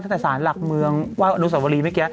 ตั้งแต่ศาลหลักเมืองไหว้อนุสวรีเมื่อกี้